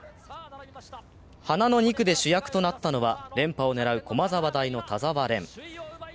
花の２区で主役となったのは、連覇を狙う駒沢大の田澤廉。